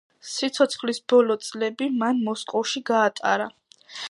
სიცოცხლის ბოლო წლები მან მოსკოვში გაატარა.